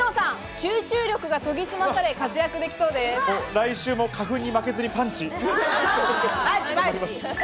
来週も花粉に負けずにパンチ！